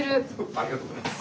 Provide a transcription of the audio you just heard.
ありがとうございます。